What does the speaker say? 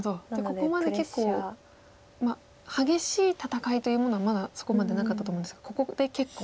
ここまで結構激しい戦いというものはまだそこまでなかったと思うんですがここで結構。